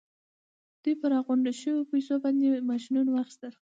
دوی په راغونډو شويو پیسو باندې ماشينونه واخيستل.